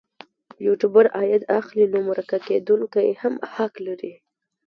یوټوبر عاید اخلي نو مرکه کېدونکی هم حق لري.